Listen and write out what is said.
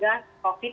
dari satgas covid